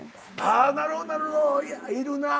なるほどなるほどいるなぁ。